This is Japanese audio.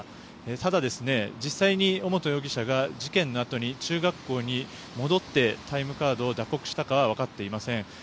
ただ、実際に尾本容疑者が事件のあとに中学校に戻ってタイムカードを打刻したかは分かっていません。